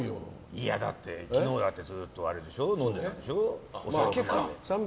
いやだって、昨日だってずっと飲んでたんでしょ。